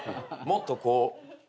もっとこう。